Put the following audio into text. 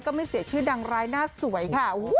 ไม่เสียชื่อดังรายหน้าสวยค่ะ